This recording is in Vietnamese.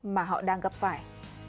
mà họ đang gặp phải